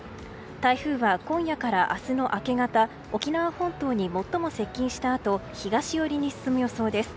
台風は今夜から明日の明け方沖縄本島に最も接近したあと東寄りに進む予想です。